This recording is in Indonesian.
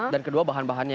dan kedua bahan bahannya